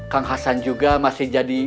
kang hasan juga masih jadi